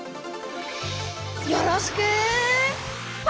よろしくファンファン！